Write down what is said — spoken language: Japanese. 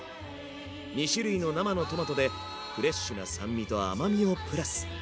２種類の生のトマトでフレッシュな酸味と甘みをプラス。